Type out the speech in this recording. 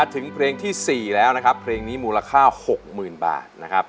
ถึงเพลงที่๔แล้วนะครับเพลงนี้มูลค่า๖๐๐๐บาทนะครับ